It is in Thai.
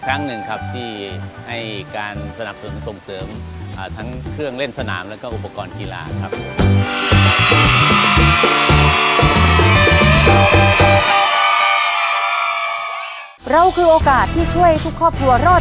ครั้งหนึ่งครับที่ให้การสนับสนุนส่งเสริมทั้งเครื่องเล่นสนามแล้วก็อุปกรณ์กีฬาครับ